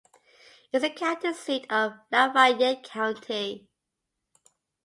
It is the county seat of Lafayette County.